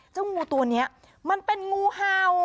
เจ้างูตัวนี้มันเป็นงูเห่า